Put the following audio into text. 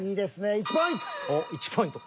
１ポイントか。